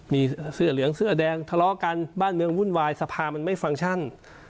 มีเสื้อเหลืองเสื้อแดงทะเลาะกันบ้านเมืองวุ่นวายสภามันไม่ฟังก์ชั่น